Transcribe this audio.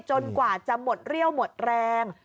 กว่าจะหมดเรี่ยวหมดแรง